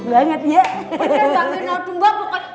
pokoknya mbak rina tuh mbak pokoknya